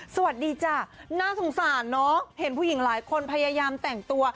สวัสดีจ้ะน่าสงสารเนอะเห็นผู้หญิงหลายคนพยายามแต่งตัว